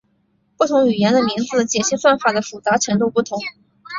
不同语言的名字解析算法的复杂度不同。